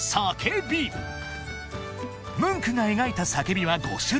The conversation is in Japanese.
［ムンクが描いた『叫び』は５種類］